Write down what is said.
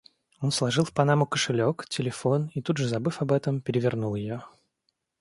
Он сложил в панаму кошелёк, телефон и, тут же забыв об этом, перевернул её.